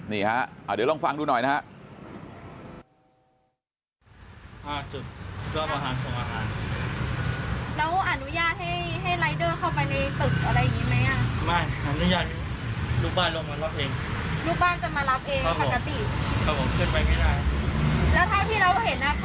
แล้วถ้าพี่เราเห็นอ่ะเคยมีปัญหามั้ยปัญหาแบบประมาณว่าลูกค้า